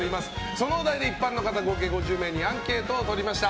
そのお題で一般の方合計５０名にアンケートを取りました。